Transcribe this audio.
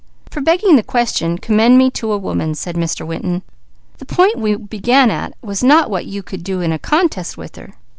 "For begging the question, commend me to a woman," said Mr. Winton. "The point we began at, was not what you could do in a contest with her.